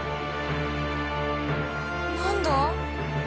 何だ？